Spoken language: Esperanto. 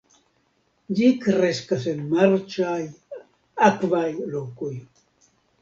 Ĝi kreskas en marĉaj, akvaj lokoj.